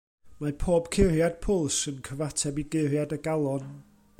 Mae pob curiad pwls yn cyfateb i guriad y galon.